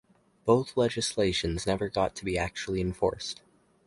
Both legislations never got to be actually enforced.